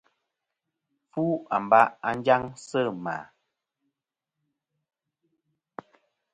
Fu ambu' à njaŋ sɨ mà.